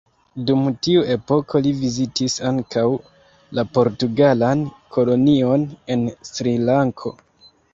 Dum tiu epoko li vizitis ankaŭ la portugalan kolonion en Srilanko.